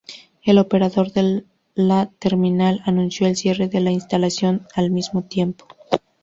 El operador de la terminal anunció el cierre de la instalación al mismo tiempo.